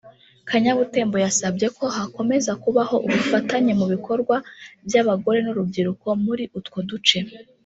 Kanyabutembo yasabye ko hakomeza kubaho ubufatanye mu bikorwa by’abagore n’urubyiruko muri utwo duce